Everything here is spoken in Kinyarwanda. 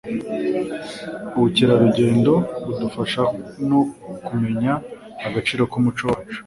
Ubukerarugendo budufasha no kumenya agaciro k'umuco wacu.